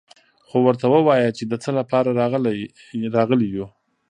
خو ورته ووايه چې د څه له پاره راغلي يو.